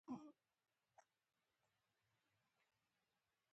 د خپلو کړنو مسئولیت اخیستل د شخصیت جوړولو لپاره مهم دي.